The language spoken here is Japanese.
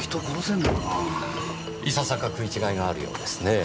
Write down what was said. いささか食い違いがあるようですねぇ。